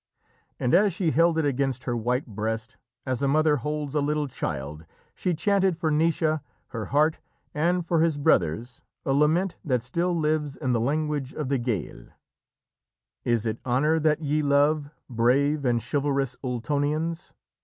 And as she held it against her white breast, as a mother holds a little child, she chanted for Naoise, her heart, and for his brothers, a lament that still lives in the language of the Gael. "Is it honour that ye love, brave and chivalrous Ultonians?